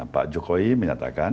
pak jokowi menyatakan